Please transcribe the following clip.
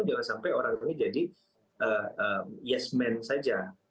jangan sampai orang ini jadi yes man saja